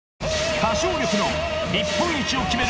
歌唱力の日本一を決める